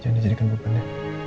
jangan dijadikan beban ya